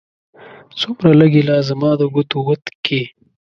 څومره لږې! لا زما د ګوتو وت کې